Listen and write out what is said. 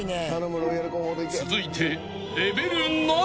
［続いて］